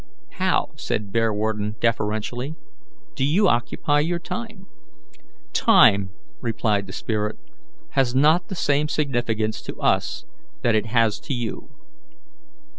"How," asked Bearwarden deferentially, "do you occupy your time?" "Time, replied the spirit, "has not the same significance to us that it has to you.